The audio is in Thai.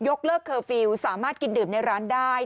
เลิกเคอร์ฟิลล์สามารถกินดื่มในร้านได้